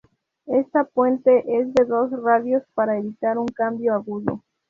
Este puente es de dos radios para evitar un cambio agudo.